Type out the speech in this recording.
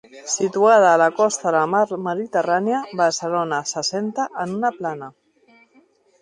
Situada a la costa de la mar Mediterrània, Barcelona s'assenta en una plana.